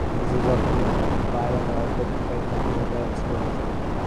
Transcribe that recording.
This is often used by an author to create conflict within a story.